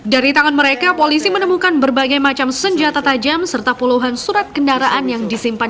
dari tangan mereka polisi menemukan berbagai macam senjata tajam serta puluhan surat kendaraan yang disimpan